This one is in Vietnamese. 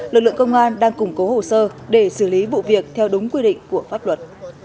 lực lượng công an đang củng cố hồ sơ để xử lý vụ việc theo đúng quy định của pháp luật